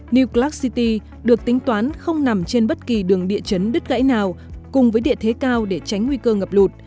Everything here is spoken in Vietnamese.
new clark city được tính toán không nằm trên bất kỳ đường địa chấn đứt gãy nào cùng với địa thế cao để tránh nguy cơ ngập lụt